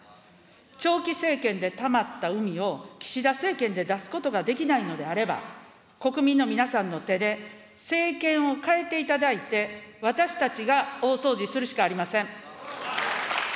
長期政権でたまったうみを岸田政権で出すことができないのであれば、国民の皆さんの手で政権を変えていただいて、私たちが大掃除するしかありません。